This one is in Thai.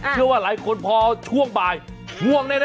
เชื่อว่าหลายคนพอช่วงบ่ายง่วงแน่